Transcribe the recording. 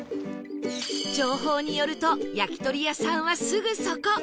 情報によると焼き鳥屋さんはすぐそこ！